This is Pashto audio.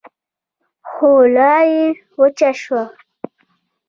خوله يې وچه شوه.